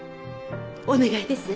お願いです